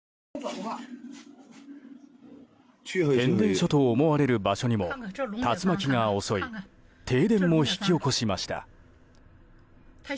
変電所と思われる場所にも竜巻が襲い停電も引き起こしました。